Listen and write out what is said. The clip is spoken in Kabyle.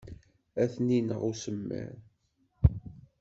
Ad ten-ineɣ usemmiḍ.